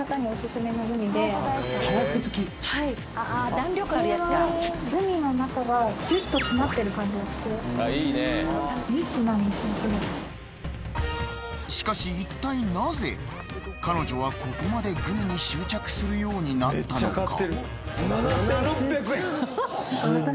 すごいしかし一体なぜ彼女はここまでグミに執着するようになったのか？